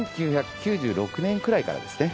１９９６年くらいからですね